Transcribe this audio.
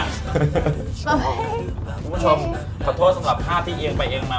คุณผู้ชมขอโทษสำหรับภาพที่เอียงไปเอียงมา